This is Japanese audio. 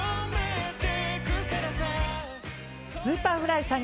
Ｓｕｐｅｒｆｌｙさん！